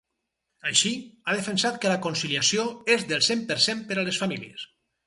Així, ha defensat que la conciliació és del cent per cent per a les famílies.